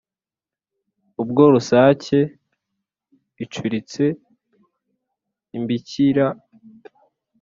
Ubwo rusake icuritse imbikira